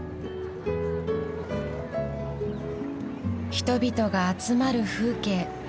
人々が集まる風景。